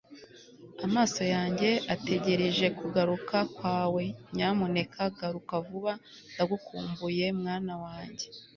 amaso yanjye ategereje kugaruka kwawe nyamuneka garuka vuba ndagukumbuye mwana wanjye